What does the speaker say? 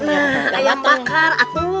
itu ayam bakar